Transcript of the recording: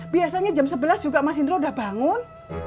biasanya jam sebelas juga mas indro udah bangun